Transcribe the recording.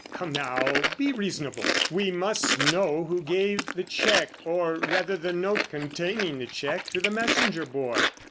Come, now, be reasonable. We must know who gave the cheque, or rather the note containing the cheque, to the messenger boy."